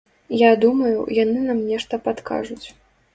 Я думаю, яны нам нешта падкажуць.